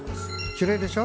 きれいでしょ？